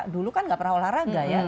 dulu kan nggak pernah olahraga ya